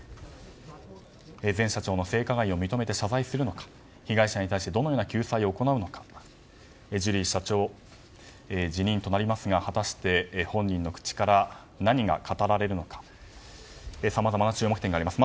前社長の性加害を認めて謝罪するのか被害者に対してどのような救済を行うのかジュリー社長辞任となりますが果たして本人の口から何が語られるのかさまざまな注目点があります。